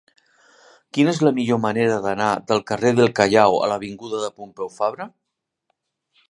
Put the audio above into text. Quina és la millor manera d'anar del carrer del Callao a l'avinguda de Pompeu Fabra?